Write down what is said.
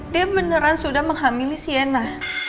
dia beneran sudah menghamili siena